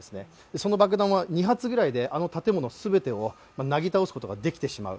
その爆弾は２発ぐらいであの建物をなぎ倒すことができてしまう。